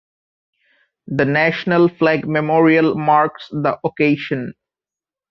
The National Flag Memorial marks the occasion.